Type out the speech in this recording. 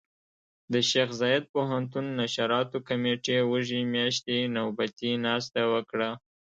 د شيخ زايد پوهنتون نشراتو کمېټې وږي مياشتې نوبتي ناسته وکړه.